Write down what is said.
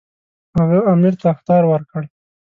هغه امیر ته اخطار ورکړ.